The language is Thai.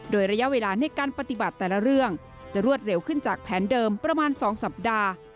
โดยระยะเวลาในการปฏิบัติแต่ละเรื่องจะรวดเร็วขึ้นจากแผนเดิมประมาณ๒สัปดาห์